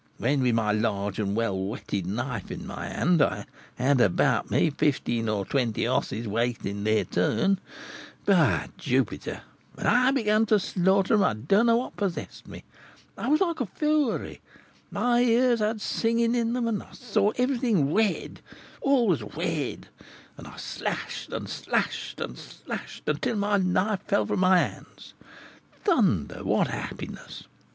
When, with my large and well whetted knife in my hand, I had about me fifteen or twenty horses waiting their turn, by Jupiter! when I began to slaughter them, I don't know what possessed me, I was like a fury. My ears had singing in them, and I saw everything red, all was red; and I slashed, and slashed, and slashed, until my knife fell from my hands! Thunder! what happiness!